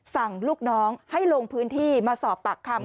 สั่งลูกน้องให้ลงพื้นที่มาสอบปากคำ